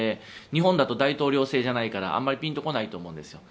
日本だと大統領制じゃないからあまりピンとこないと思うんです。